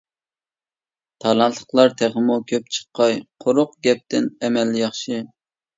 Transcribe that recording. تالانتلىقلار تېخىمۇ كۆپ چىققاي قۇرۇق گەپتىن ئەمەل ياخشى.